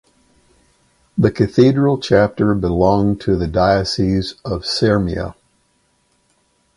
The cathedral chapter belonged to the Diocese of Syrmia.